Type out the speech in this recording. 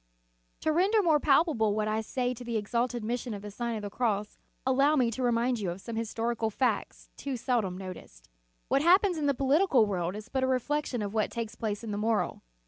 To render more palpable what I say of the exalted mission of the Sign of the Cross, allow me to remind you of some historical facts, too seldom noticed. What happens in the political world is but a reflection of what takes place in the moral.